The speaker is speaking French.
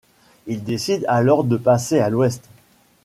Il décide alors de passer à l'Ouest.